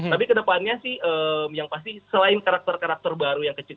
tapi ke depannya sih yang pasti selain karakter karakter baru yang kecil kecil